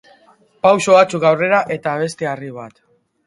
Pauso batzuk aurrera eta beste harri bat.